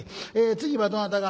次はどなたが？」。